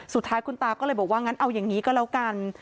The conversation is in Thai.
สุดท้ายคุณตาก็เลยบอกว่างั้นเอาอย่างนี้ก็แล้วกัน